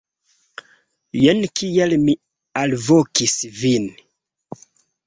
Jen kial mi alvokis vin.